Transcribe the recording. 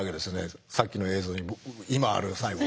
さっきの映像に今ある細胞は。